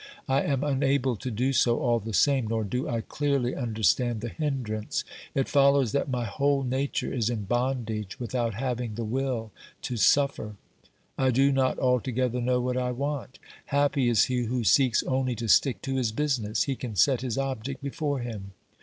I am unable to do so all the same, nor do I clearly understand the hindrance ; it follows that my whole nature is in bondage without having the will to suffer. I do not altogether know what I want. Happy is he who seeks only to stick to his business ; he can set his object before him.